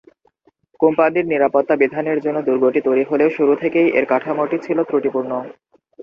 কোম্পানির নিরাপত্তা বিধানের জন্য দুর্গটি তৈরি হলেও শুরু থেকেই এর কাঠামোটি ছিল ত্রুটিপূর্ণ।